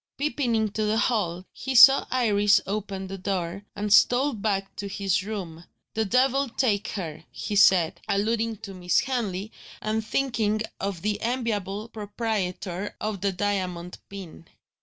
Peeping into the hall, he saw Iris opening the door, and stole back to his room. "The devil take her!" he said, alluding to Miss Henley, and thinking of the enviable proprietor of the diamond pin.